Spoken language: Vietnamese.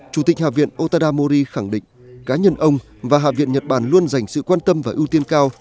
chủ tịch hạ viện otada mori khẳng định cá nhân ông và hạ viện nhật bản luôn dành sự quan tâm và ưu tiên cao